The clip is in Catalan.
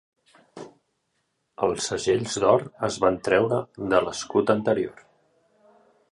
Els segells d'or es van treure de l'escut anterior.